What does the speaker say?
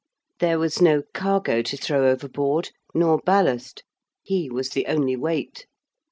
There was no cargo to throw overboard, nor ballast. He was the only weight.